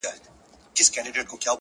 • اسمان ته مي خاته ناسوني نه دی..